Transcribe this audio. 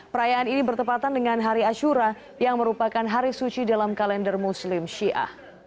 perayaan ini bertepatan dengan hari ashura yang merupakan hari suci dalam kalender muslim syiah